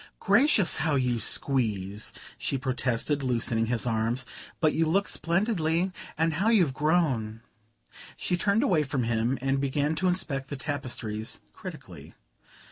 "Gracious, how you squeeze!" she protested, loosening his arms. "But you look splendidly and how you've grown!" She turned away from him and began to inspect the tapestries critically.